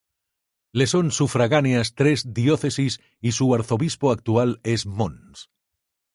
Le son sufragáneas tres diócesis y su arzobispo actual es Mons.